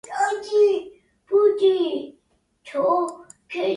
He also noted the correct use of quinine to fight malaria.